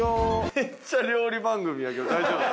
めっちゃ料理番組やけど大丈夫？